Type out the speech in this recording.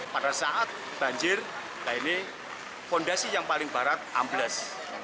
pada saat banjir nah ini fondasi yang paling barat ambles